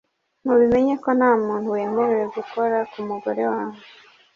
mubimenye ko ntamuntu wemerewe gukora kumugore wanjye